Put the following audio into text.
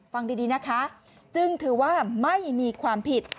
ฟังดีนะคะจึงถือว่าไม่มีความผิด